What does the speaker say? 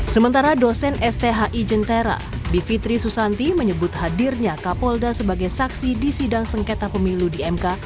sementara dosen sthi jentera bivitri susanti menyebut hadirnya kapolda sebagai saksi di sidang sengketa pemilu di mk